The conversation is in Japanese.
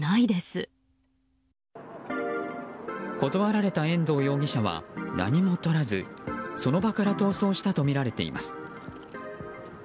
断られた遠藤容疑者は何もとらずその場から逃走したとみられています。